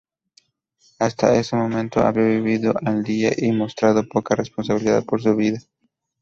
Hasta ese momento había vivido al día y mostrado poca responsabilidad por su vida.